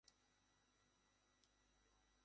তিনি তৃতীয় রাউন্ডে টিকেও-র হয়ে লড়াইটি জিতেছিলেন।